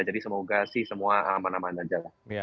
jadi semoga semua aman aman saja